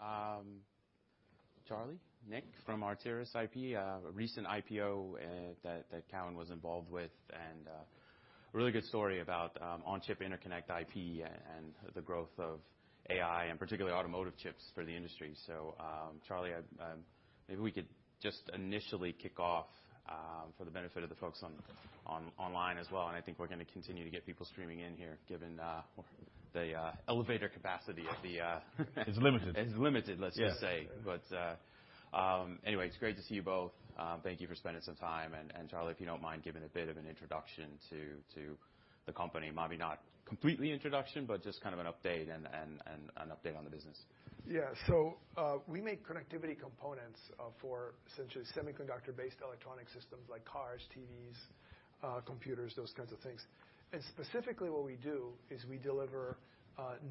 All right. Charlie, Nick from Arteris IP, a recent IPO, that TD Cowen was involved with and really good story about on-chip interconnect IP and the growth of AI and particularly automotive chips for the industry. Charlie, maybe we could just initially kick off for the benefit of the folks on online as well, and I think we're gonna continue to get people streaming in here given the elevator capacity of the It's limited. It's limited, let's just say. Yes. Anyway, it's great to see you both. Thank you for spending some time. Charlie, if you don't mind giving a bit of an introduction to the company. Maybe not complete introduction, but just kind of an update and an update on the business. Yeah. We make connectivity components for essentially semiconductor-based electronic systems like cars, TVs, computers, those kinds of things. Specifically what we do is we deliver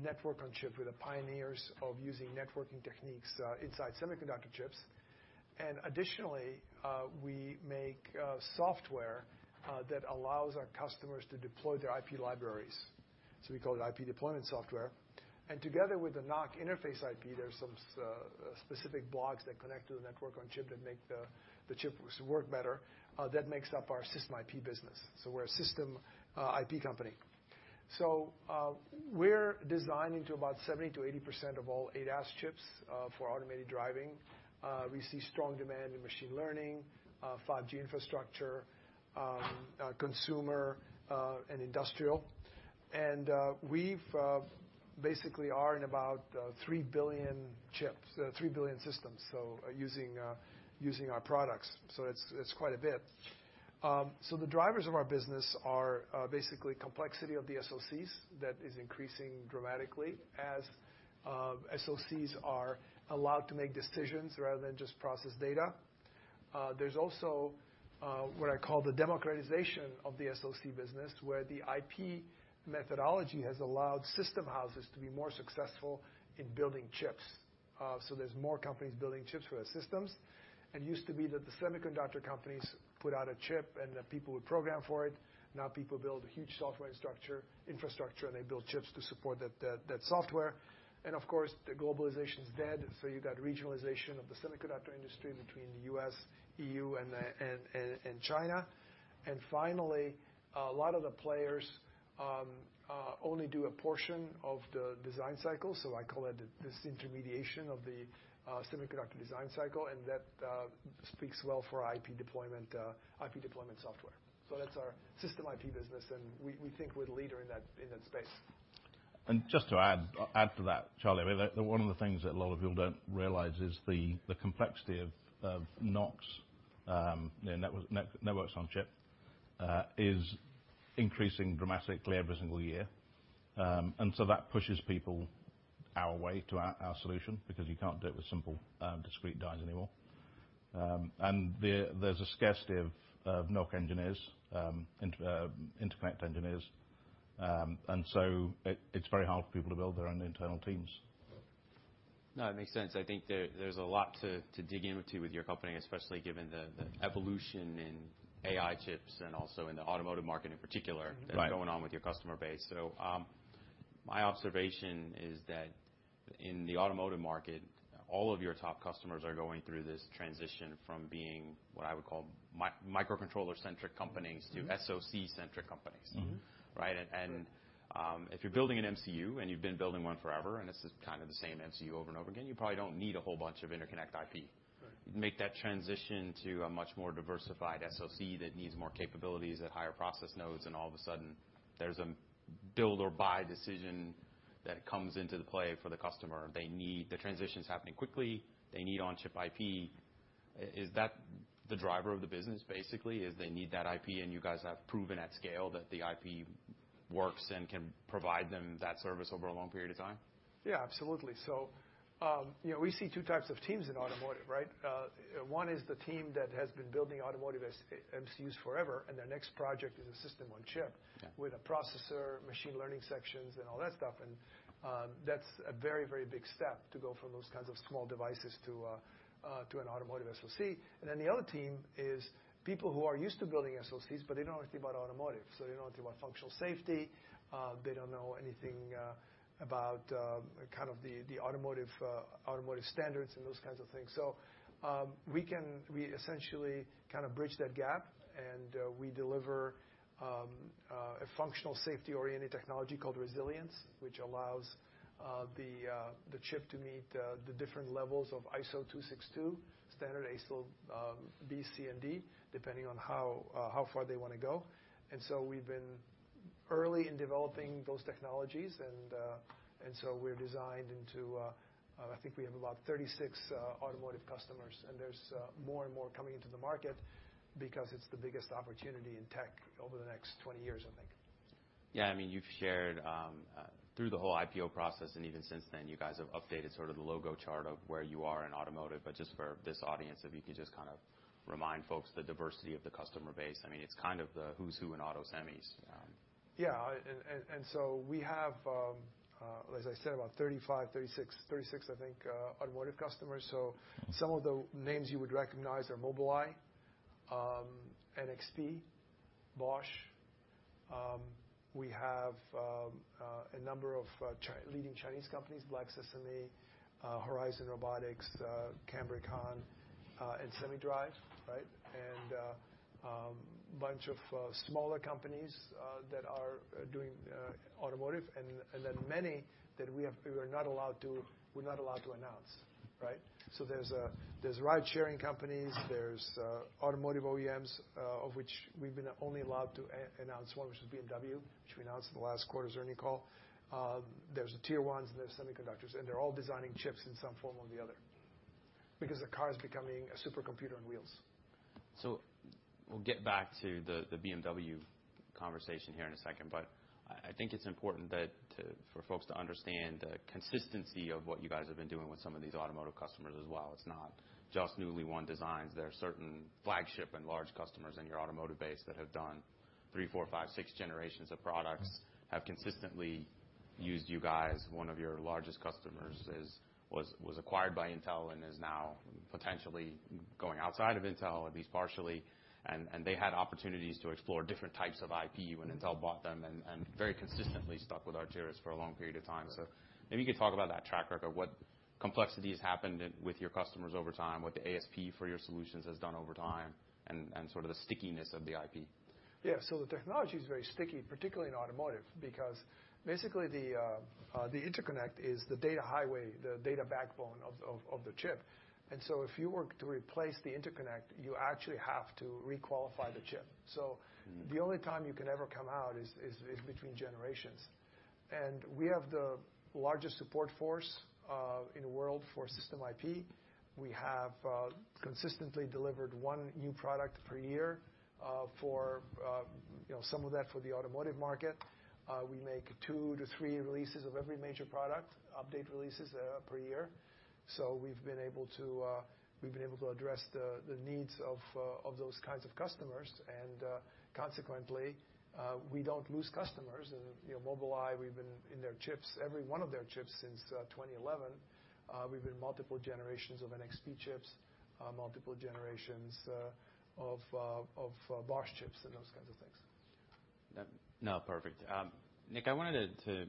Network-on-Chip. We're the pioneers of using networking techniques inside semiconductor chips. Additionally, we make software that allows our customers to deploy their IP libraries, so we call it IP deployment software. Together with the NoC interface IP, there's some specific blocks that connect to the Network-on-Chip that make the chip work better, that makes up our system IP business. We're a system IP company. We're designing to about 70%-80% of all ADAS chips for automated driving. We see strong demand in machine learning, 5G infrastructure, consumer, and industrial. We've basically are in about 3 billion chips... 3 billion systems using our products. It's quite a bit. The drivers of our business are basically complexity of the SoCs that is increasing dramatically as SoCs are allowed to make decisions rather than just process data. There's also what I call the democratization of the SoC business, where the IP methodology has allowed system houses to be more successful in building chips. There's more companies building chips for their systems. It used to be that the semiconductor companies put out a chip and the people would program for it. Now people build a huge software and structure, infrastructure, and they build chips to support that software. Of course, the globalization's dead, so you got regionalization of the semiconductor industry between the U.S., E.U., and China. Finally, a lot of the players only do a portion of the design cycle, so I call that disintermediation of the semiconductor design cycle, and that speaks well for our IP deployment software. That's our system IP business, and we think we're the leader in that space. Just to add to that, Charlie, one of the things that a lot of people don't realize is the complexity of NoCs, you know, networks on chip, is increasing dramatically every single year. That pushes people our way to our solution, because you can't do it with simple discrete dies anymore. There's a scarcity of NoC engineers, interconnect engineers. It's very hard for people to build their own internal teams. No, it makes sense. I think there's a lot to dig into with your company, especially given the evolution in AI chips and also in the automotive market in particular. Right. That's going on with your customer base. My observation is that in the automotive market, all of your top customers are going through this transition from being what I would call microcontroller-centric companies to SoC-centric companies. Mm-hmm. Right? Right. If you're building an MCU, and you've been building one forever, and this is kind of the same MCU over and over again, you probably don't need a whole bunch of interconnect IP. Right. Make that transition to a much more diversified SoC that needs more capabilities at higher process nodes, and all of a sudden there's a build or buy decision that comes into play for the customer. The transition's happening quickly. They need on-chip IP. Is that the driver of the business basically, is they need that IP and you guys have proven at scale that the IP works and can provide them that service over a long period of time? Yeah, absolutely. You know, we see two types of teams in automotive, right? One is the team that has been building automotive MCUs forever, and their next project is a system on chip. Yeah. with a processor, machine learning sections and all that stuff. That's a very, very big step to go from those kinds of small devices to an automotive SoC. Then the other team is people who are used to building SoCs, but they don't know anything about automotive, so they don't know anything about functional safety, they don't know anything about kind of the automotive standards and those kinds of things. We essentially kind of bridge that gap and we deliver a functional safety-oriented technology called Resilience, which allows the chip to meet the different levels of ISO 26262 standard ASIL B, C, and D, depending on how far they wanna go. We've been early in developing those technologies and so we're designed into, I think we have about 36 automotive customers and there's more and more coming into the market because it's the biggest opportunity in tech over the next 20 years, I think. Yeah. I mean, you've shared through the whole IPO process and even since then, you guys have updated sort of the logo chart of where you are in automotive. Just for this audience, if you could just kind of remind folks the diversity of the customer base. I mean, it's kind of the who's who in auto semis. Yeah. We have, as I said, about 35, 36. 36, I think, automotive customers. Some of the names you would recognize are Mobileye, NXP, Bosch. We have a number of leading Chinese companies, Black Sesame, Horizon Robotics, Cambricon, and SemiDrive, right? Bunch of smaller companies that are doing automotive and then many that we are not allowed to announce, right? There are ridesharing companies, there are automotive OEMs, of which we've been only allowed to announce one, which is BMW, which we announced in the last quarter's earnings call. There are the tier ones, and there are semiconductors, and they are all designing chips in some form or the other. The car is becoming a supercomputer on wheels. We'll get back to the BMW conversation here in a second, but I think it's important for folks to understand the consistency of what you guys have been doing with some of these automotive customers as well. It's not just newly won designs. There are certain flagship and large customers in your automotive base that have done three, four, five, six generations of products. Mm-hmm. Have consistently used you guys. One of your largest customers was acquired by Intel and is now potentially going outside of Intel, at least partially. They had opportunities to explore different types of IP when Intel bought them and very consistently stuck with Arteris for a long period of time. Right. Maybe you could talk about that track record, what complexities happened with your customers over time, what the ASP for your solutions has done over time, and sort of the stickiness of the IP. Yeah, the technology is very sticky, particularly in automotive, because basically the interconnect is the data highway, the data backbone of the chip. If you were to replace the interconnect, you actually have to requalify the chip. Mm-hmm. The only time you can ever come out is between generations. We have the largest support force in the world for system IP. We have consistently delivered one new product per year, you know, some of that for the automotive market. We make two to three releases of every major product, update releases, per year. We've been able to address the needs of those kinds of customers. Consequently, we don't lose customers. You know, Mobileye, we've been in their chips, every one of their chips since 2011. We've been multiple generations of NXP chips, multiple generations of Bosch chips and those kinds of things. No, perfect. Nick, I wanted to.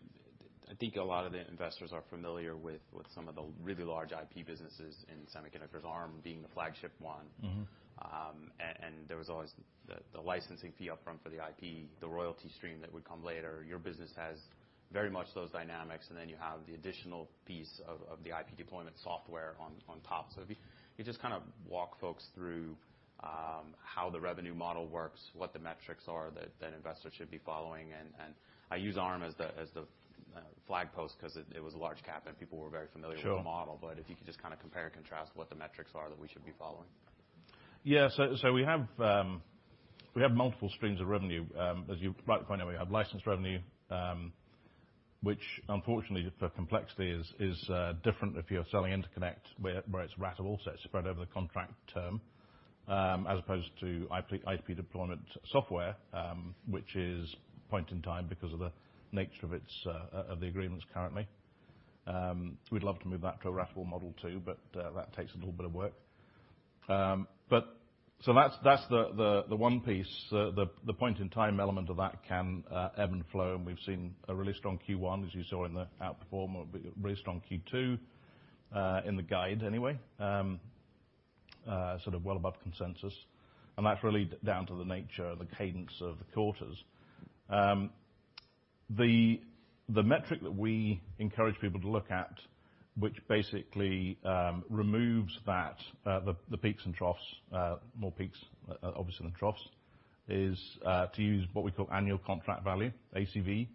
I think a lot of the investors are familiar with some of the really large IP businesses in semiconductors, Arm being the flagship one. Mm-hmm. There was always the licensing fee up front for the IP, the royalty stream that would come later. Your business has very much those dynamics, and then you have the additional piece of the IP deployment software on top. If you could just kind of walk folks through how the revenue model works, what the metrics are that investors should be following. I use Arm as the flag post because it was a large cap and people were very familiar with the model. Sure. If you could just compare and contrast what the metrics are that we should be following? Yeah. We have multiple streams of revenue. As you rightly pointed out, we have license revenue, which unfortunately for complexity is different if you're selling interconnect where it's ratable, so it's spread over the contract term, as opposed to IP deployment software, which is point in time because of the nature of the agreements currently. We'd love to move that to a ratable model too, but that takes a little bit of work. That's the one piece. The point in time element of that can ebb and flow, and we've seen a really strong Q1, as you saw in the outperformance, really strong Q2 in the guide anyway, sort of well above consensus. That's really down to the nature, the cadence of the quarters. The metric that we encourage people to look at, which basically removes that, the peaks and troughs, more peaks, obviously, than troughs, is to use what we call annual contract value, ACV,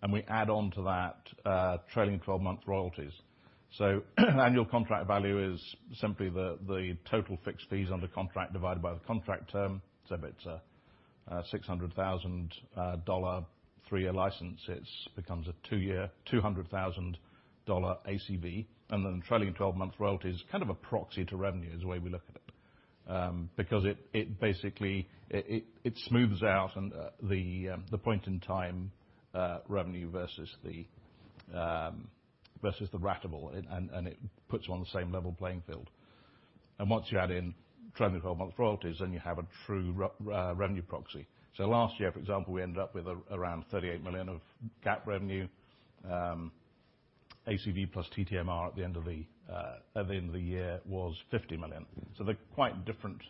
and we add on to that, trailing 12-month royalties. Annual contract value is simply the total fixed fees under contract divided by the contract term. If it's a $600,000 three-year license, it becomes a $200,000 ACV. Trailing 12-month royalty is kind of a proxy to revenue is the way we look at it, because it basically smooths out the point in time revenue versus the ratable, and it puts them on the same level playing field. Once you add in trailing 12-month royalties, you have a true revenue proxy. Last year, for example, we ended up with around $38 million of GAAP revenue. ACV plus TTMR at the end of the year was $50 million. They're quite different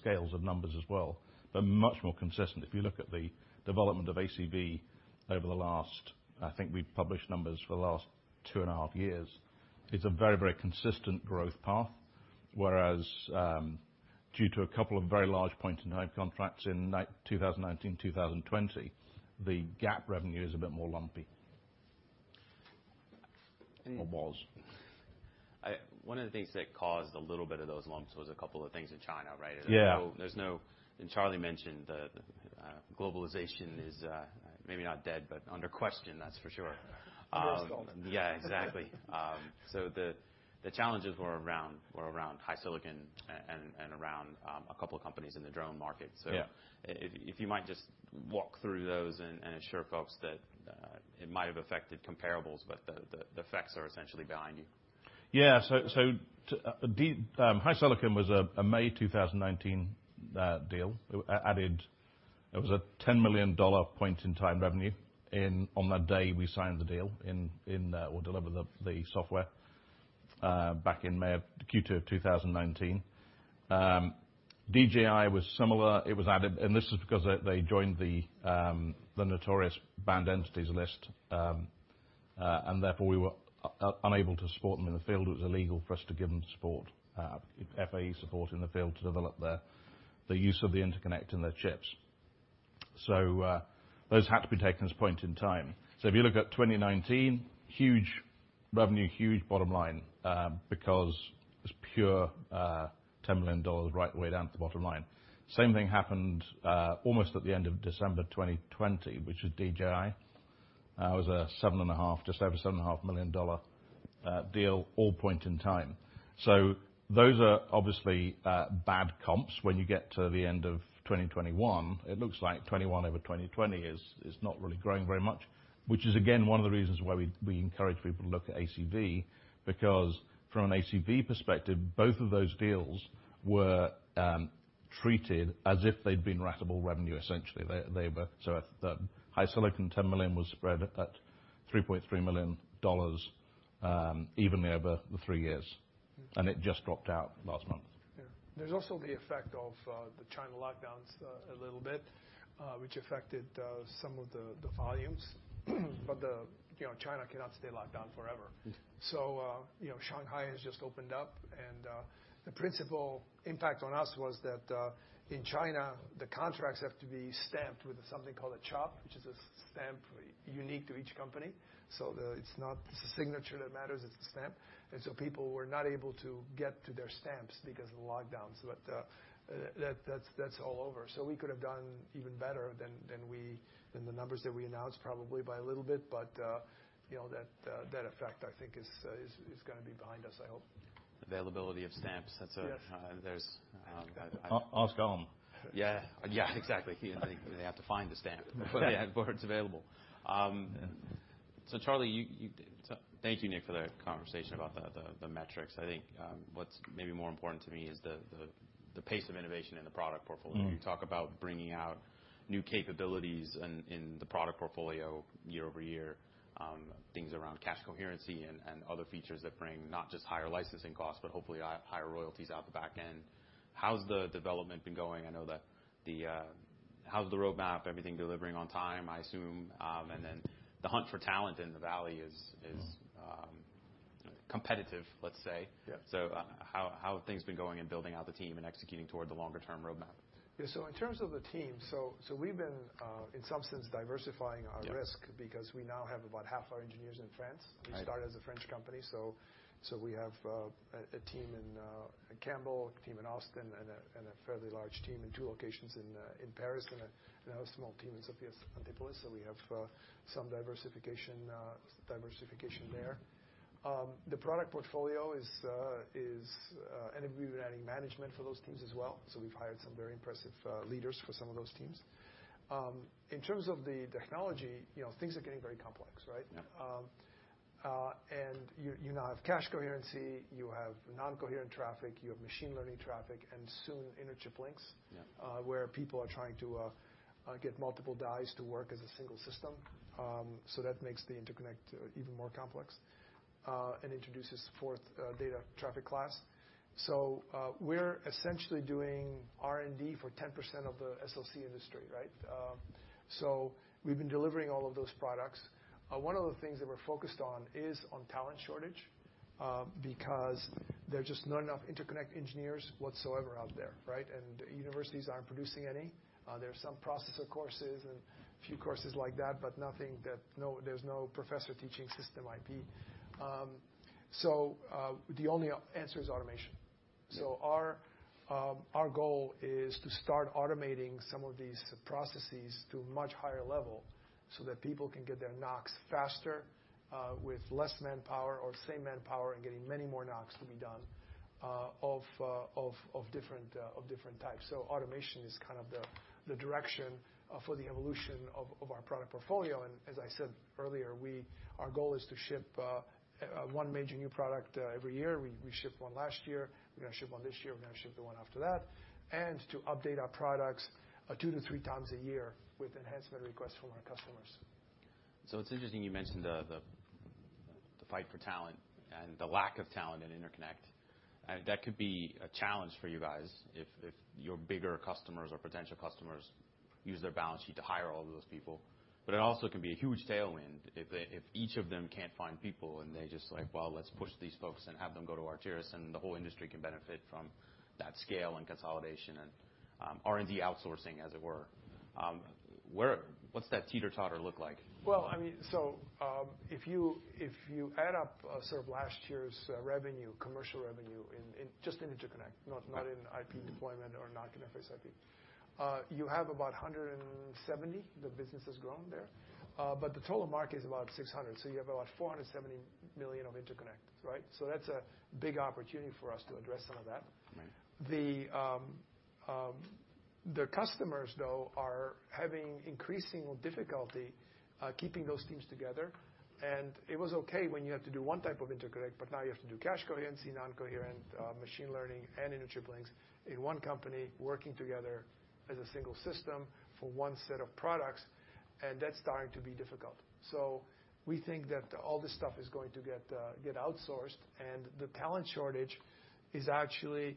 scales of numbers as well, but much more consistent. If you look at the development of ACV over the last, I think we've published numbers for the last two and a half years, it's a very, very consistent growth path. Whereas, due to a couple of very large point-in-time contracts in 2019, 2020, the GAAP revenue is a bit more lumpy. Or was. One of the things that caused a little bit of those lumps was a couple of things in China, right? Yeah. Charlie mentioned the globalization is maybe not dead, but under question, that's for sure. For sure. Yeah, exactly. So the challenges were around HiSilicon and around a couple of companies in the drone market. Yeah. If you might just walk through those and assure folks that it might have affected comparables, but the effects are essentially behind you. Yeah. HiSilicon was a May 2019 deal. It added. It was a $10 million point-in-time revenue on that day we signed the deal in or delivered the software back in May of Q2 of 2019. DJI was similar. It was added, and this is because they joined the notorious Entity List, and therefore we were unable to support them in the field. It was illegal for us to give them support, FAE support in the field to develop their use of the interconnect in their chips. Those had to be taken as point-in-time. If you look at 2019, huge revenue, huge bottom line, because it's pure $10 million right the way down to the bottom line. Same thing happened almost at the end of December 2020, which was DJI. It was a 7.5, just over $7.5 million dollar deal all point-in-time. So those are obviously bad comps when you get to the end of 2021. It looks like 2021 over 2020 is not really growing very much, which is again one of the reasons why we encourage people to look at ACV, because from an ACV perspective, both of those deals were treated as if they'd been ratable revenue, essentially. They were. So at the HiSilicon $10 million was spread at $3.3 million evenly over the three years, and it just dropped out last month. Yeah. There's also the effect of the China lockdowns a little bit, which affected some of the volumes. You know, China cannot stay locked down forever. Mm. You know, Shanghai has just opened up. The principal impact on us was that in China, the contracts have to be stamped with something called a chop, which is a stamp unique to each company. It's not the signature that matters, it's the stamp. People were not able to get to their stamps because of the lockdowns. That's all over. We could have done even better than the numbers that we announced, probably by a little bit. You know, that effect I think is gonna be behind us, I hope. Availability of stamps. Yes. There's. I'll scan them. Yeah. Yeah, exactly. They have to find the chop before it's available. Charlie. Thank you, Nick, for that conversation about the metrics. I think what's maybe more important to me is the pace of innovation in the product portfolio. Mm-hmm. You talk about bringing out new capabilities in the product portfolio year over year on things around cache coherency and other features that bring not just higher licensing costs, but hopefully higher royalties out the back end. How's the development been going? I know. How's the roadmap, everything delivering on time, I assume? And then the hunt for talent in the Valley is competitive, let's say. Yeah. How have things been going in building out the team and executing toward the longer term roadmap? Yeah. In terms of the team, so we've been in some sense diversifying our risk. Yeah. Because we now have about half our engineers in France. Right. We started as a French company, so we have a team in Campbell, a team in Austin, and a fairly large team in two locations in Paris, and a small team in Sophia Antipolis. We have some diversification there. The product portfolio is and we've been adding management for those teams as well. We've hired some very impressive leaders for some of those teams. In terms of the technology, you know, things are getting very complex, right? Yeah. You now have cache coherency, you have non-coherent traffic, you have machine learning traffic, and soon interchip links. Yeah. Where people are trying to get multiple dies to work as a single system. That makes the interconnect even more complex and introduces fourth data traffic class. We're essentially doing R&D for 10% of the SoC industry, right? We've been delivering all of those products. One of the things that we're focused on is on talent shortage because there are just not enough interconnect engineers whatsoever out there, right? Universities aren't producing any. There are some processor courses and a few courses like that, but there's no professor teaching system IP. The only answer is automation. Yeah. Our goal is to start automating some of these processes to a much higher level so that people can get their NOCs faster, with less manpower or same manpower and getting many more NOCs to be done of different types. Automation is kind of the direction for the evolution of our product portfolio. As I said earlier, our goal is to ship one major new product every year. We shipped one last year. We're gonna ship one this year. We're gonna ship the one after that. To update our products two to three times a year with enhancement requests from our customers. It's interesting you mentioned the fight for talent and the lack of talent in interconnect. That could be a challenge for you guys if your bigger customers or potential customers use their balance sheet to hire all of those people. It also can be a huge tailwind if they each can't find people, and they're just like, "Well, let's push these folks and have them go to Arteris," and the whole industry can benefit from that scale and consolidation and R&D outsourcing, as it were. What's that teeter-totter like? If you add up sort of last year's revenue, commercial revenue in just interconnect, not in IP deployment or non-interconnect IP, you have about $170. The business has grown there. The total market is about $600, so you have about $470 million of interconnects, right? That's a big opportunity for us to address some of that. Right. The customers, though, are having increasing difficulty keeping those teams together. It was okay when you had to do one type of interconnect, but now you have to do cache coherent, non-coherent, machine learning, and interchip links in one company working together as a single system for one set of products, and that's starting to be difficult. We think that all this stuff is going to get outsourced. The talent shortage is actually,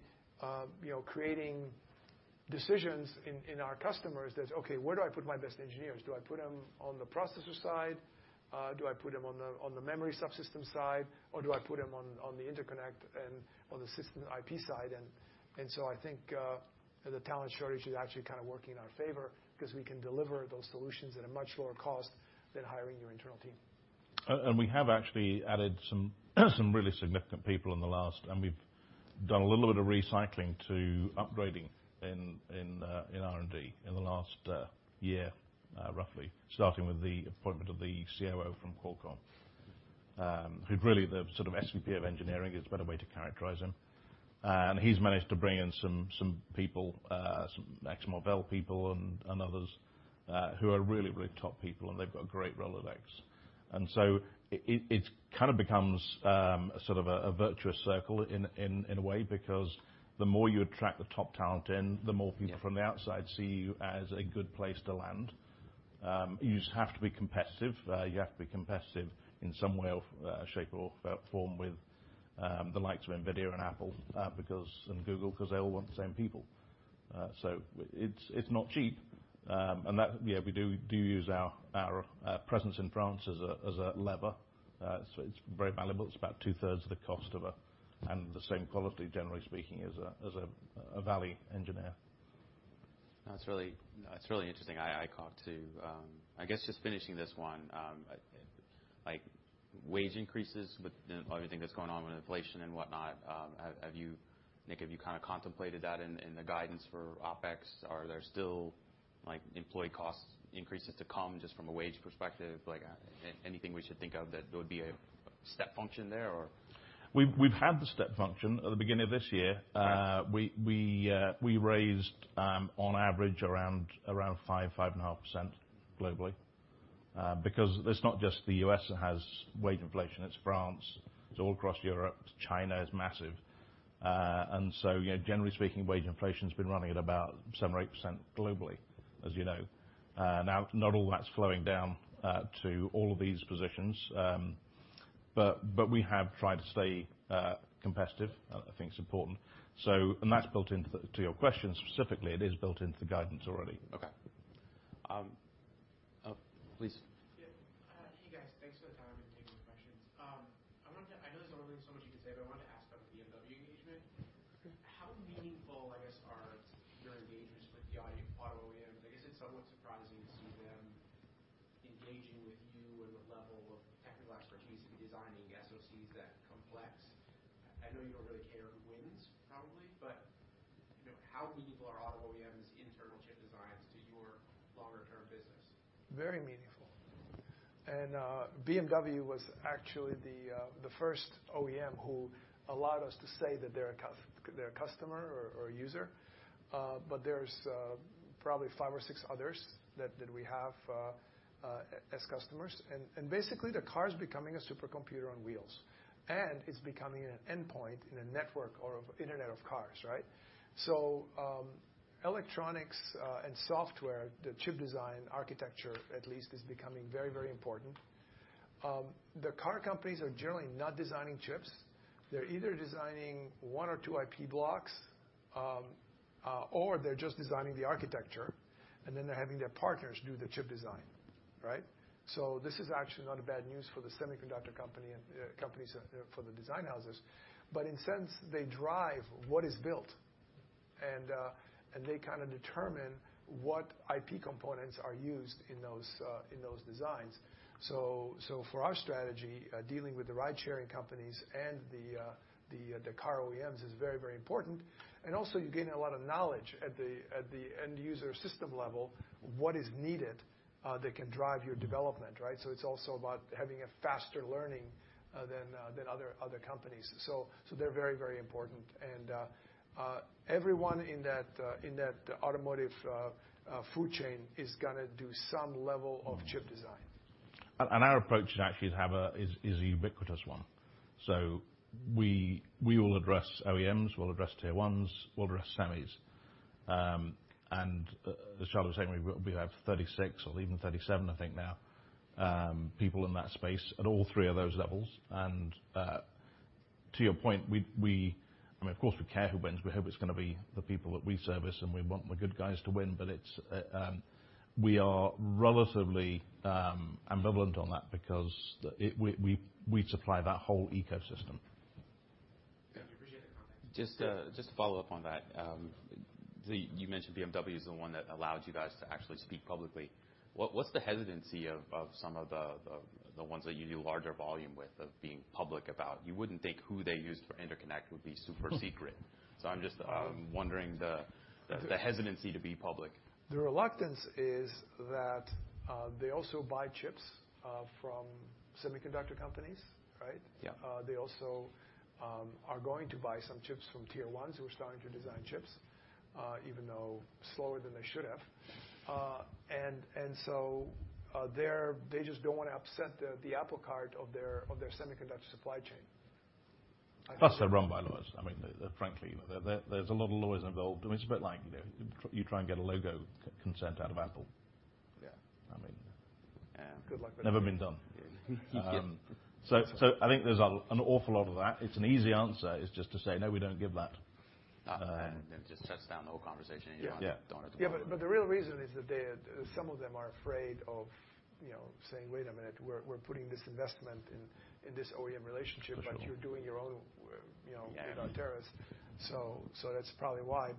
you know, creating decisions in our customers that, "Okay, where do I put my best engineers? Do I put them on the processor side? Do I put them on the memory subsystem side, or do I put them on the interconnect and on the system IP side?" I think the talent shortage is actually kind of working in our favor 'cause we can deliver those solutions at a much lower cost than hiring your internal team. We have actually added some really significant people in the last. We've done a little bit of recycling to upgrading in R&D in the last year, roughly, starting with the appointment of the COO from Qualcomm, who's really the sort of SVP of engineering is a better way to characterize him. He's managed to bring in some people, some ex-Marvell people and others, who are really top people, and they've got great Rolodex. It kind of becomes sort of a virtuous circle in a way, because the more you attract the top talent in, the more people- Yeah From the outside see you as a good place to land. You just have to be competitive. You have to be competitive in some way or shape or form with the likes of NVIDIA and Apple, because, and Google, 'cause they all want the same people. It's not cheap. That, you know, we do use our presence in France as a lever. It's very valuable. It's about two-thirds of the cost of a and the same quality, generally speaking, as a Valley engineer. That's really interesting. I got to, I guess just finishing this one. Like wage increases with everything that's going on with inflation and whatnot, have you, Nick, contemplated that in the guidance for OpEx? Are there still, like, employee cost increases to come just from a wage perspective? Like, anything we should think of that there would be a step function there or? We've had the step function at the beginning of this year. Right. We raised on average around 5.5% globally. Because it's not just the U.S. that has wage inflation. It's France, it's all across Europe. China is massive. You know, generally speaking, wage inflation's been running at about 7%-8% globally, as you know. Now not all that's flowing down to all of these positions. We have tried to stay competitive. I think it's important. To your question specifically, it is built into the guidance already. Okay. Please. Yeah. Hey, guys. Thanks for the time and taking the questions. I wonder, I know there's only so much you can say, but I wanted to ask about the BMW engagement. How meaningful, I guess, are your engagements with the auto OEMs? I guess it's somewhat surprising to see them engaging with you and the level of technical expertise in designing SOCs that complex. I know you don't really care who wins probably, but, you know, how meaningful are auto OEMs internal chip designs to your longer term business? Very meaningful. BMW was actually the first OEM who allowed us to say that they're a customer or user. But there's probably five or six others that we have as customers. Basically the car is becoming a supercomputer on wheels, and it's becoming an endpoint in a network or internet of cars, right? Electronics and software, the chip design architecture at least, is becoming very, very important. The car companies are generally not designing chips. They're either designing one or two IP blocks or they're just designing the architecture, and then they're having their partners do the chip design, right? This is actually not bad news for the semiconductor company and companies for the design houses. In a sense, they drive what is built and they kinda determine what IP components are used in those designs. For our strategy, dealing with the ridesharing companies and the car OEMs is very, very important. Also you're gaining a lot of knowledge at the end user system level, what is needed that can drive your development, right? It's also about having a faster learning than other companies. They're very, very important. Everyone in that automotive food chain is gonna do some level of chip design. Our approach actually is a ubiquitous one. We will address OEMs, we'll address tier ones, we'll address semis. As Charlie was saying, we have 36 or even 37, I think now, people in that space at all three of those levels. To your point, we I mean, of course, we care who wins. We hope it's gonna be the people that we service, and we want the good guys to win. We are relatively ambivalent on that because we supply that whole ecosystem. Yeah. I appreciate the comment. Just to follow up on that. You mentioned BMW is the one that allowed you guys to actually speak publicly. What's the hesitancy of some of the ones that you do larger volume with of being public about? You wouldn't think who they used for interconnect would be super secret. I'm just wondering the hesitancy to be public. The reluctance is that, they also buy chips from semiconductor companies, right? Yeah. They also are going to buy some chips from tier ones who are starting to design chips, even though slower than they should have. They just don't wanna upset the apple cart of their semiconductor supply chain. Plus, they're run by lawyers. I mean, frankly, you know, there's a lot of lawyers involved. I mean, it's a bit like, you know, you try and get a logo consent out of Apple. Yeah. I mean. Yeah. Good luck with it. Never been done. Yeah. I think there's an awful lot of that. It's an easy answer, is just to say, "No, we don't give that. It just shuts down the whole conversation, and you don't have to go on. Yeah. The real reason is that they. Some of them are afraid of, you know, saying, "Wait a minute. We're putting this investment in this OEM relationship- For sure. You're doing your own, you know, without Arteris. That's probably why.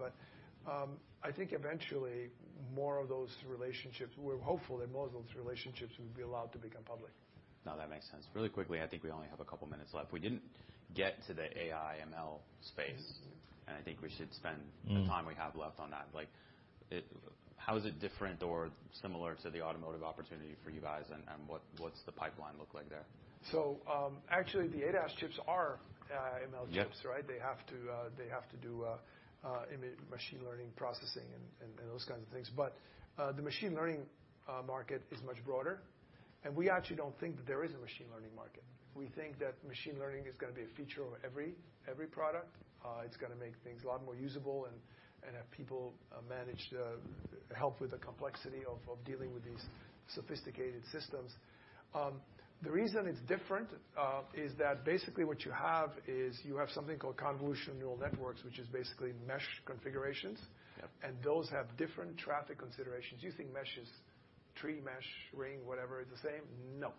I think eventually more of those relationships. We're hopeful that most of those relationships will be allowed to become public. No, that makes sense. Really quickly, I think we only have a couple minutes left. We didn't get to the AI ML space, and I think we should spend the time we have left on that. Like, how is it different or similar to the automotive opportunity for you guys, and what's the pipeline look like there? Actually, the ADAS chips are ML chips, right? Yeah. They have to do image machine learning processing and those kinds of things. The machine learning market is much broader. We actually don't think that there is a machine learning market. We think that machine learning is gonna be a feature of every product. It's gonna make things a lot more usable and have people help with the complexity of dealing with these sophisticated systems. The reason it's different is that basically what you have is something called convolutional neural networks, which is basically mesh configurations. Yeah. Those have different traffic considerations. Do you think mesh is tree mesh, ring, whatever is the same? No.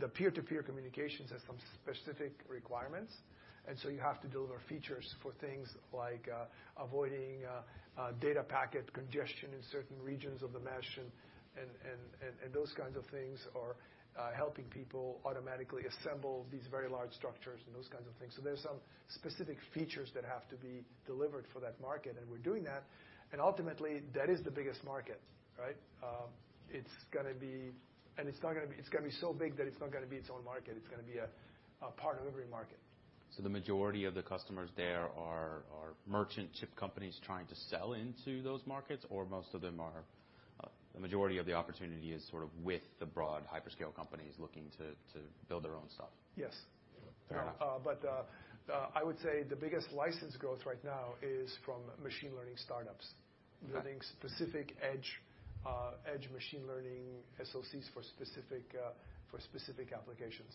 The peer-to-peer communications has some specific requirements, and so you have to deliver features for things like avoiding data packet congestion in certain regions of the mesh, and those kinds of things are helping people automatically assemble these very large structures and those kinds of things. There's some specific features that have to be delivered for that market, and we're doing that. Ultimately, that is the biggest market, right? It's gonna be. It's not gonna be. It's gonna be so big that it's not gonna be its own market. It's gonna be a part of every market. The majority of the customers there are merchant chip companies trying to sell into those markets, or most of them are, the majority of the opportunity is sort of with the broad hyperscale companies looking to build their own stuff? Yes. Fair enough. I would say the biggest license growth right now is from machine learning startups. Okay. Building specific edge machine learning SoCs for specific applications.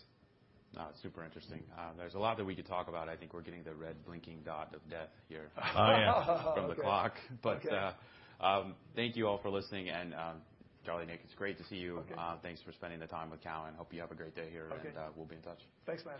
No, it's super interesting. There's a lot that we could talk about. I think we're getting the red blinking dot of death here. Oh, yeah. Okay. from the clock. Thank you all for listening and, Charlie, Nick, it's great to see you. Okay. Thanks for spending the time with Cal. I hope you have a great day here. Okay. We'll be in touch. Thanks, Nick.